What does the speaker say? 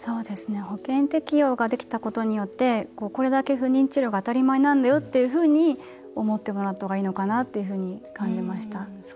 保険適用ができたことによってこれだけ不妊治療が当たり前なんだよっていうふうに思ってもらった方がいいのかなっていうふうに感じました。